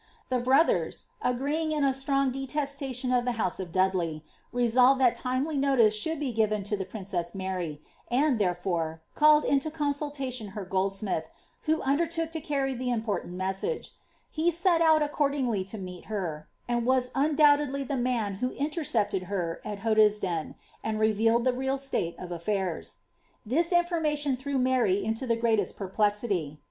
The brothers, agreeing in a strong detestation of e of Dudley, resolved that timely notice should be given to the Mary, and, therefore, called into consultation her goldsmith, ertook to carry the important message ; he set out accordingly ler, and was undoubtedly the man who intercepted her at Hod ind revealed the real state of af&irs.' This information threw 0 the greatest perplexity.